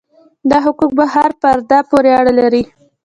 دا حقوق پر هر فرد پورې اړه لري.